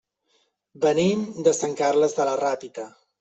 Venim de Sant Carles de la Ràpita.